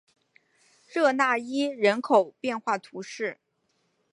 热讷伊人口变化图示